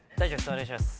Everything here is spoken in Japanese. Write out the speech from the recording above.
お願いします。